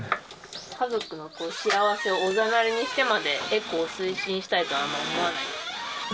家族の幸せをおざなりにしてまで、エコを推進したいとはあんま思わない。